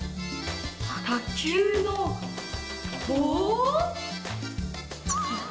卓球の棒